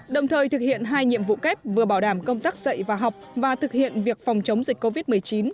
đồng thời thực hiện hai nhiệm vụ kép vừa bảo đảm công tác dạy và học và thực hiện việc phòng chống dịch covid một mươi chín